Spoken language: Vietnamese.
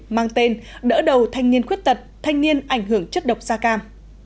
mang tên đỡ đầu thanh niên khuyết tật thanh niên ảnh hưởng chất độc da cam